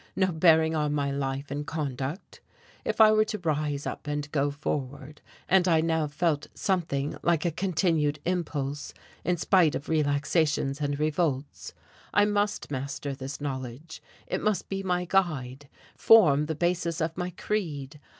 no bearing on my life and conduct? If I were to rise and go forward and I now felt something like a continued impulse, in spite of relaxations and revolts I must master this knowledge, it must be my guide, form the basis of my creed.